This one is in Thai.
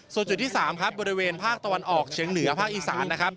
ส่วนจุดที่๓ครับบริเวณภาคตะวันออกเฉียงเหนือภาคอีสานนะครับ